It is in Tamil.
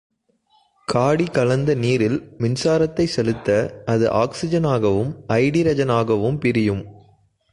காடி கலந்த நீரில் மின்சாரத்தைச் செலுத்த, அது ஆக்சிஜனாகவும் அய்டிரஜனாகவும் பிரியும்.